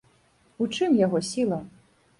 У чым яго сіла?